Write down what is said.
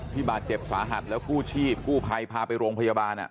บาดเจ็บสาหัสแล้วกู้ชีพกู้ภัยพาไปโรงพยาบาล